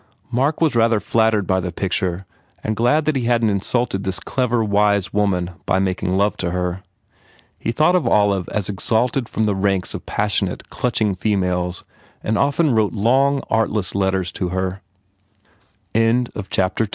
Mark was rather flattered by the picture and glad that he hadn t insulted this clever, wise woman by making love to her. He thought of Olive as ex alted from At ranks of passionate, clutching fe males and often wrote long, artless letters